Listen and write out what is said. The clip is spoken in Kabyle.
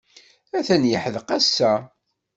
Atan yeḥdeq ass-a.